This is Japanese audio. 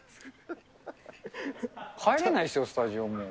帰れないっすよ、スタジオ、もう。